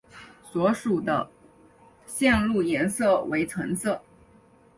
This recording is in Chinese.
所属的线路颜色为橙色。